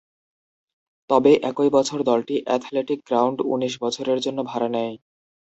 তবে, একই বছর দলটি অ্যাথলেটিক গ্রাউন্ড উনিশ বছরের জন্য ভাড়া নেয়।